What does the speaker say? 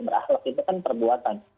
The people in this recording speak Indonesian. berakhlak itu kan perbuatan